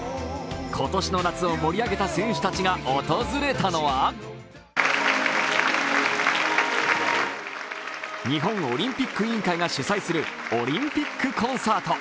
今年の夏を盛り上げた選手たちが訪れたのは日本オリンピック委員会が主催するオリンピックコンサート。